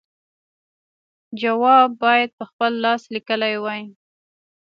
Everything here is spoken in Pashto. جواب باید په خپل لاس لیکلی وای.